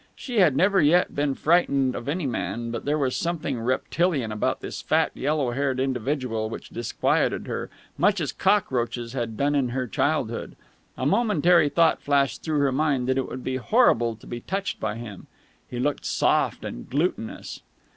She had never yet been frightened of any man, but there was something reptilian about this fat, yellow haired individual which disquieted her, much as cockroaches had done in her childhood. A momentary thought flashed through her mind that it would be horrible to be touched by him. He looked soft and glutinous.